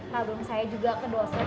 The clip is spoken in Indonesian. tabung saya juga ke dosen